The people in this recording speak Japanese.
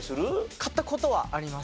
買った事はあります。